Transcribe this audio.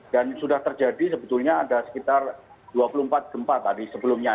dan sudah terjadi sebetulnya ada sekitar dua puluh empat gempa tadi sebelumnya